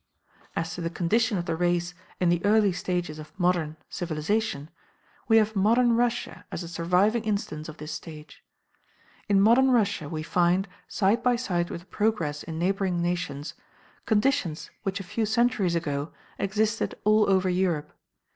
As to the condition of the race in the early stages of "modern" civilization, we have modern Russia as a surviving instance of this stage. In modern Russia we find, side by side with the progress in neighboring nations, conditions which a few centuries ago existed all over Europe.